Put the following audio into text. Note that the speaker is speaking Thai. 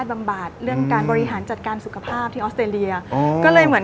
แต่ให้มันมีโทนของความสดชื่น